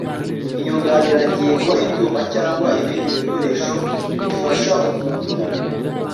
Inyunganirangingo Ibyuma cyangwa ibindi bikoresho bifasha umuntu